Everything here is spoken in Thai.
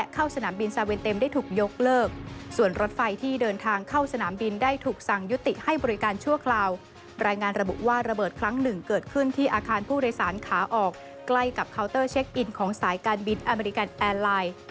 ใกล้กับเคาน์เตอร์เช็คอินของสายการบินอเมริกันแอร์ไลน์